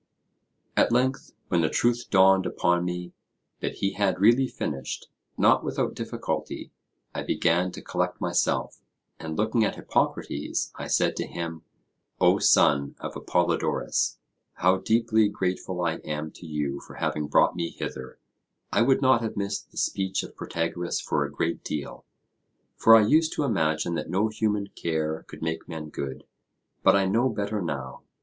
At length, when the truth dawned upon me, that he had really finished, not without difficulty I began to collect myself, and looking at Hippocrates, I said to him: O son of Apollodorus, how deeply grateful I am to you for having brought me hither; I would not have missed the speech of Protagoras for a great deal. For I used to imagine that no human care could make men good; but I know better now.